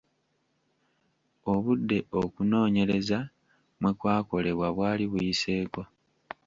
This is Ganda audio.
Obudde okunoonyereza mwe kwakolebwa bwali buyiseeko.